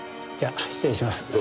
じゃあ失礼します。